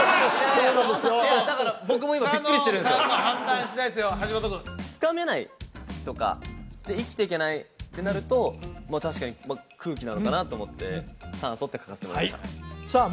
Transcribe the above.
草野さんの判断しだいですよ橋本君つかめないとかで生きていけないってなると確かに空気なのかなと思って酸素って書かせてもらいましたさあ